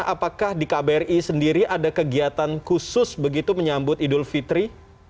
apakah di kbri sendiri ada kegiatan khusus begitu menyambut idul fitri